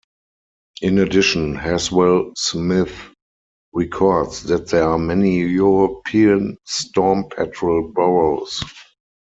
In addition, Haswell-Smith records that there are many European storm petrel burrows.